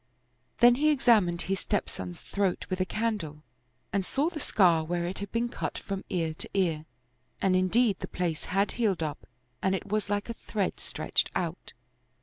Then he ex amined his stepson's throat with a candle and saw the scar where it had been cut from ear to ear, and indeed the place had healed up and it was like a thread stretched out.